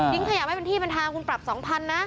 ทิ้งขยะไม่เป็นที่เป็นทางคุณปรับสองพันนะ